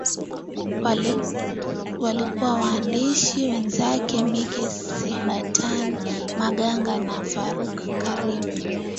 Walikuwa waandishi wenzake Mike Sebastian Maganga na Farouq Karim